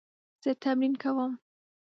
زه تمرین کوم